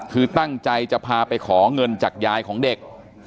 คือตั้งใจจะพาไปขอเงินจากยายของเด็ก